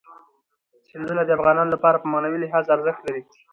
سیندونه د افغانانو لپاره په معنوي لحاظ ارزښت لري.